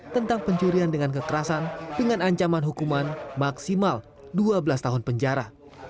tentang pencurian dengan kekerasan dengan ancaman hukuman maksimal dua belas tahun penjara